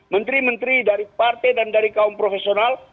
menteri menteri dari partai dan dari kaum profesional